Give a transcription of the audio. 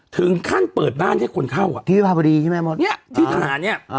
ถึงขั้นเปิดบ้านให้คนเข้าที่พระบุรีใช่ไหมที่ทหารเนี่ย